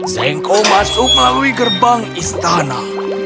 zengko masuk melalui gerbang istana